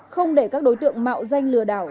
không để các đối tượng mạo danh lừa đảo